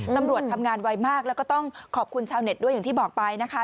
ตำรวจทำงานไวมากแล้วก็ต้องขอบคุณชาวเน็ตด้วยอย่างที่บอกไปนะคะ